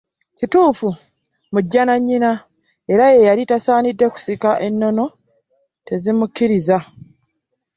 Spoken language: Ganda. Kituufu mujja na nnyina era yali tasaanidde kusika ennono tezimukkiriza.